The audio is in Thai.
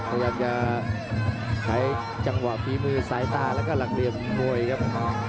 พยายามจะใช้จังหวะฝีมือสายตาแล้วก็หลักเรียนมวยครับ